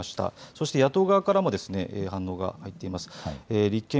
そして野党側からも反応が入っています。